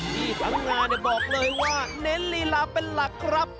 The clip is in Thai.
ที่ทั้งงานบอกเลยว่าเน้นลีลาเป็นหลักครับ